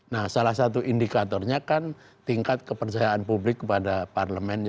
nah salah satu indikatornya kan tingkat kepercayaan publik kepada parlemen